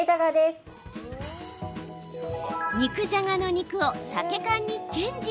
肉じゃがの肉をサケ缶にチェンジ。